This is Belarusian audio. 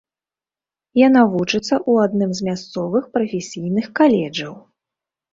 Яна вучыцца ў адным з мясцовых прафесійных каледжаў.